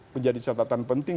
menjadi catatan penting